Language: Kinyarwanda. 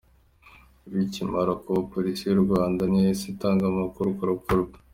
Bikimara kuba Police y’u Rwanda ntiyahise itanga amakuru ku rupfu rwe.